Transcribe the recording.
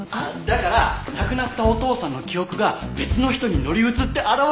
だから亡くなったお父さんの記憶が別の人に乗り移って現れたんだよ。